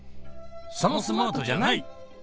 そのスマートじゃない！